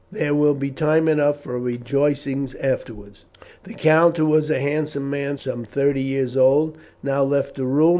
There will be time enough for rejoicings afterwards." The count, who was a handsome man some thirty years old, now left the room.